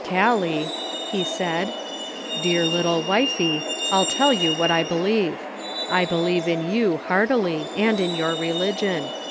"Callie," he said, "dear little wifie, I'll tell you what I believe ; I believe in you, heartily, and in your religion.